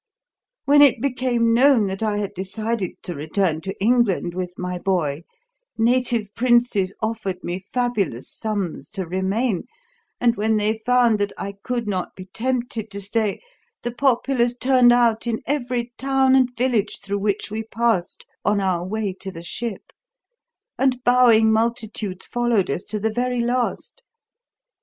"When it became known that I had decided to return to England with my boy, native princes offered me fabulous sums to remain, and when they found that I could not be tempted to stay, the populace turned out in every town and village through which we passed on our way to the ship, and bowing multitudes followed us to the very last.